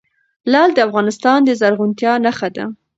لعل د افغانستان د زرغونتیا نښه ده.